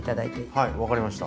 はい分かりました。